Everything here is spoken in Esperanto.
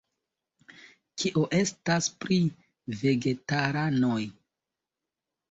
Kio estas pri vegetaranoj?